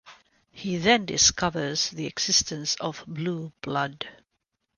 He then discovers the existence of "blue blood".